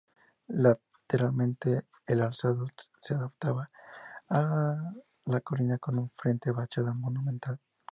Lateralmente, el alzado se adaptaba a la colina con un frente de fachada monumental.